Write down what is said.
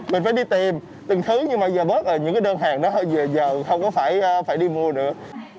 mình phải đi tìm từng thứ nhưng mà giờ bớt là những cái đơn hàng đó giờ không có phải đi mua nữa